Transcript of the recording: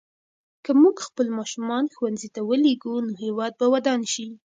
که موږ خپل ماشومان ښوونځي ته ولېږو نو هېواد به ودان شي.